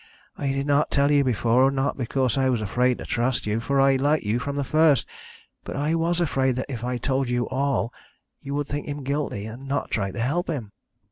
"I did not tell you before, not because I was afraid to trust you, for I liked you from the first, but I was afraid that if I told you all you would think him guilty, and not try to help him.